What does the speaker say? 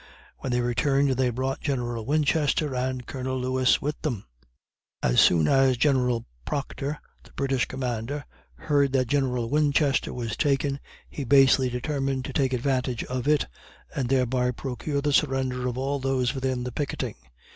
When they returned they brought General Winchester and Colonel Lewis with them. As soon as General Proctor, the British commander, heard that General Winchester was taken, he basely determined to take advantage of it, and thereby procure the surrender of all those within the picketing.